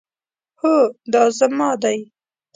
هو، دا زما دی